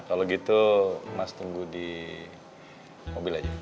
kalau gitu mas tunggu di mobil aja